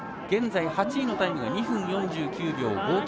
現在８位のタイムが２分４９秒５９。